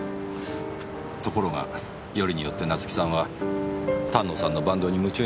ところがよりによって夏生さんは丹野さんのバンドに夢中になり始めた。